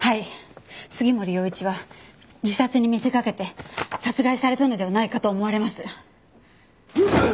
杉森陽一は自殺に見せかけて殺害されたのではないかと思われます。